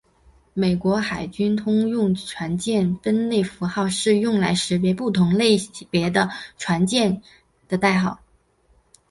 美国海军通用舰船分类符号是用来识别不同类别的舰船的代号。